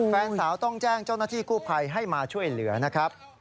แฟนสาวต้องแจ้งเจ้าหน้าที่กู้ภัยให้มาช่วยเหลือนะครับ